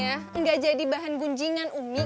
enggak jadi bahan gunjingan umi